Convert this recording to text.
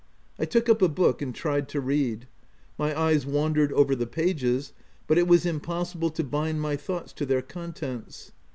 I took up a book and tried to read. My eyes wandered over the pages, but it was impossible to bind my thoughts to their con tents.